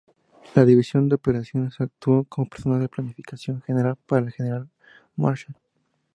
La División de Operaciones actuó como personal de planificación general para el General Marshall.